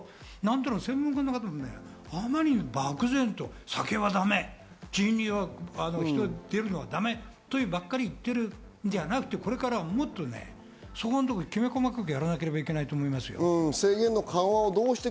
専門家があまりにも漠然と酒はだめ、人が出るのはダメばっかり言ってるんじゃなくて、これからはそこのところをきめ細やかにやらなければいけないと思いますよ。